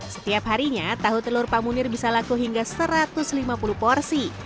setiap harinya tahu telur pak munir bisa laku hingga satu ratus lima puluh porsi